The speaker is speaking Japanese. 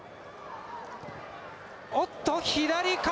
おっと左か？